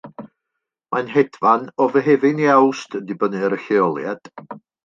Mae'n hedfan o Fehefin i Awst, yn dibynnu ar y lleoliad.